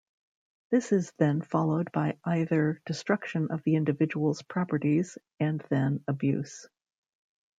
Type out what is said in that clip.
This is then followed by either destruction of the individuals properties and then abuse.